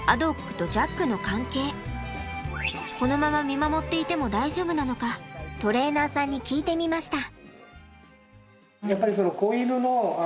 このまま見守っていても大丈夫なのかトレーナーさんに聞いてみました。